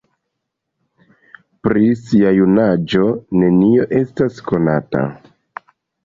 Pri sia junaĝo nenio estas konata.